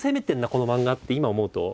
この漫画って今思うと。